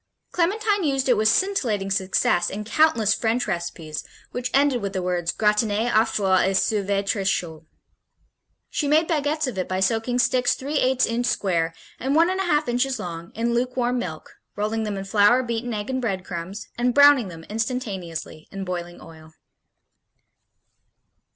Clementine used it "with scintillating success in countless French recipes which ended with the words gratiner au four et servir tres chaud. She made baguettes of it by soaking sticks three eights inch square and one and a half inches long in lukewarm milk, rolling them in flour, beaten egg and bread crumbs and browning them instantaneously in boiling oil."